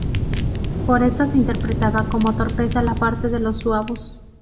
Pero esto se interpretaba como torpeza de parte de los suabos.